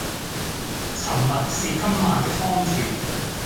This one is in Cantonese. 沉默是今晚的康橋